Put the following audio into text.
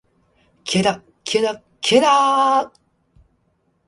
気合いだ、気合いだ、気合いだーっ！！！